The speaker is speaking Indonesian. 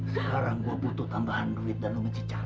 sekarang gua butuh tambahan duit dan lu mencicam